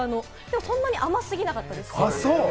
でもそんなに甘過ぎなかったです。